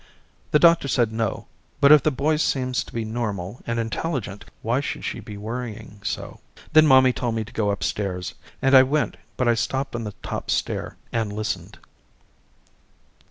The doctor said no but if the boy seems to be normal and intelligent why should she be worrying so? Then mommy told me to go upstairs, and I went but I stopped on the top stair and listened.